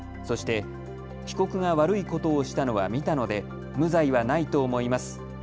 そして被告が悪いことをしたのは見たので無罪はないと思います。